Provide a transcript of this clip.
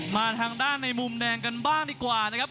มาทางด้านในมุมแดงกันบ้างดีกว่านะครับ